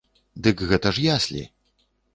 Дык гэта ж яслі!